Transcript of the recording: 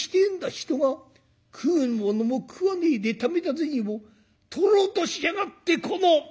人が食うものも食わねえでためた銭を取ろうとしやがってこのガキが！」。